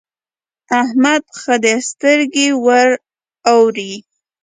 احمد ښه دی؛ سترګې ور اوړي.